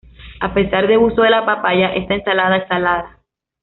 A pesar de uso de la papaya, esta ensalada es salada.